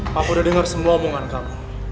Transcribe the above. papa udah dengar semua omongan kamu